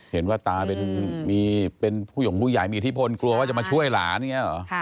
ตามีเป็นผู้ห่งผู้ใหญ่มีอิทธิพลกลัวว่าจะมาช่วยหลานอย่างนี้เหรอ